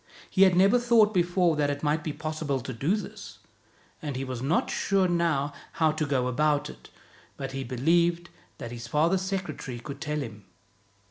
He had never thought before that it might be possible to do this, and he was not sure now how to go about it; but he believed that his father's secretary could tell him.